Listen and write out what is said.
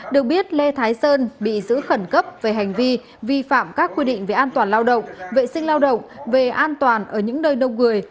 được biết lê thái sơn bị giữ khẩn cấp về hành vi vi phạm các quy định về an toàn lao động vệ sinh lao động về an toàn ở những nơi đông người